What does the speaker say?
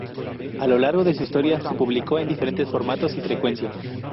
A lo largo de su historia se publicó en diferentes formatos y frecuencia.